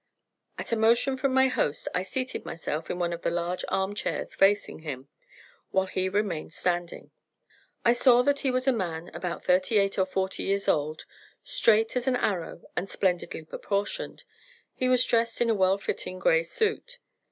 At a motion from my host I seated myself in one of the large arm chairs facing him, while he remained standing. I saw that he was a man about thirty eight or forty years old, straight as an arrow and splendidly proportioned. He was dressed in a well fitting gray suit.